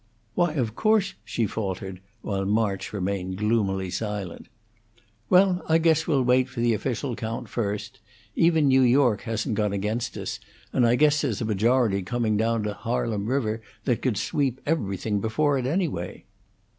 "Why, of course," she faltered, while March remained gloomily silent. "Well, I guess we'll wait for the official count, first. Even New York hasn't gone against us, and I guess there's a majority coming down to Harlem River that could sweep everything before it, anyway."